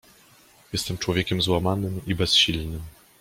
— Jestem człowiekiem złamanym i bezsilnym!